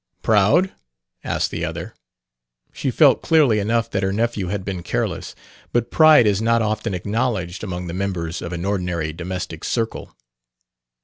"Proud?" asked the other. She felt clearly enough that her nephew had been careless; but pride is not often acknowledged among the members of an ordinary domestic circle.